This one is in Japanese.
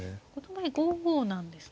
５五なんですか。